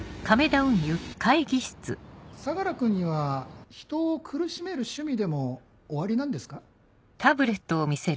相良君には人を苦しめる趣味でもおありなんですか？